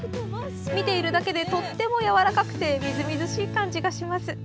見ているだけでとってもやわらかくてみずみずしい感じがします。